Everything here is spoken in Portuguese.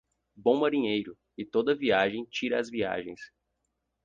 Bom marinheiro, e toda viagem tira as viagens.